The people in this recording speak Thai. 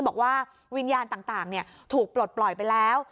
บอกว่าวิญญาณต่างถูกปลดปล่อยไปแล้ว